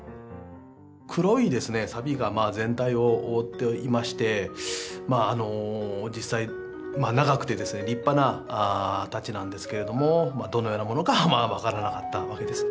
黒いさびが全体を覆っていまして実際長くてですね立派な太刀なんですけれどもどのようなものかは分からなかったわけです。